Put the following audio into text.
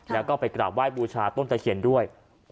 แล้วก็ไปกราบไห้บูชาต้นตะเคียนด้วย